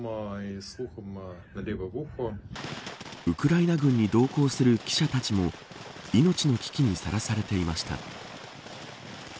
ウクライナ軍に同行する記者たちも命の危機にさらされていました。